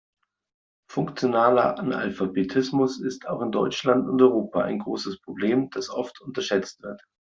Funktionaler Analphabetismus ist auch in Deutschland und Europa ein großes Problem, das oft unterschätzt wird.